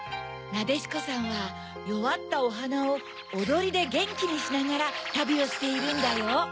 なでしこさんはよわったおはなをおどりでゲンキにしながらたびをしているんだよ。